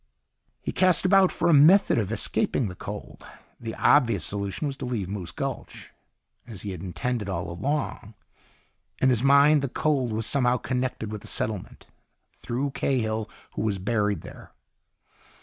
He cast about for a method of escaping the cold. The obvious solution was to leave Moose Gulch, as he had intended all along. In his mind the cold was somehow connected with the settlement, through Cahill, who was buried there.